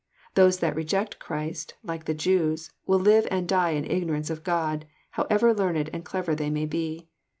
Those that reject Christ, like the Jews, will live and die in Ignorance of (jbd, however learned and clever they may be."